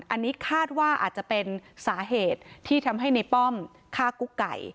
อันนี้คาดว่าอาจจะเป็นสาเหตุที่ทำให้ในป้อมฆ่ากุ๊กไก่